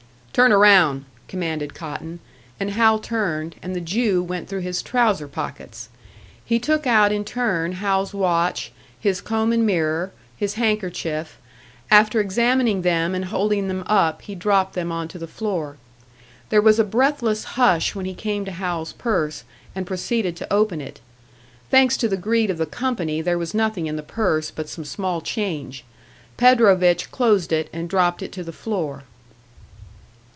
"Turn around," commanded Cotton; and Hal turned, and the Jew went through his trouser pockets. He took out in turn Hal's watch, his comb and mirror, his handkerchief; after examining them and holding them up, he dropped them onto the floor. There was a breathless hush when he came to Hal's purse, and proceeded to open it. Thanks to the greed of the company, there was nothing in the purse but some small change. Predovich closed it and dropped it to the floor.